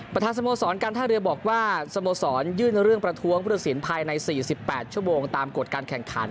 ประธานสโมสรการท่าเรือบอกว่าสโมสรยื่นเรื่องประท้วงพุทธศิลปลายในสี่สิบแปดชั่วโบงตามกฎการแข่งขัน